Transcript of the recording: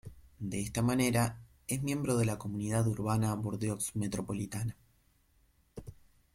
De esta manera, es miembro de la Comunidad Urbana de Bordeaux metropolitana.